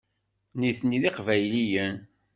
Nitni d Iqbayliyen.